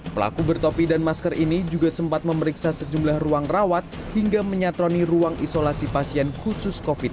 pelaku bertopi dan masker ini juga sempat memeriksa sejumlah ruang rawat hingga menyatroni ruang isolasi pasien khusus covid sembilan belas